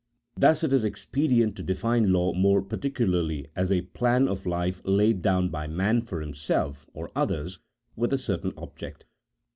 Thus it is expedient to define law more particu larly as a plan of life laid down by man for himself or others with a certain object.